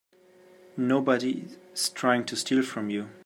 Nobody's trying to steal from you.